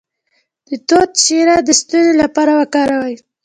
د توت شیره د ستوني لپاره وکاروئ